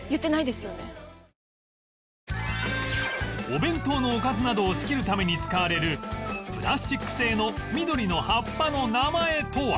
お弁当のおかずなどを仕切るために使われるプラスチック製の緑の葉っぱの名前とは？